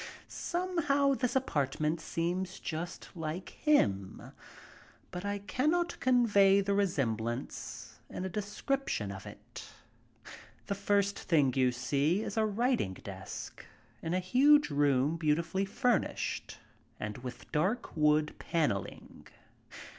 Somehow this apartment seems just like him, but I cannot convey the resemblance in a description of it. The first thing you see is a writing desk in a huge room beautifully furnished, and with dark wood paneling.